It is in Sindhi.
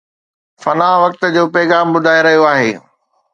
فنا وقت جو پيغام ٻڌائي رهيو آهي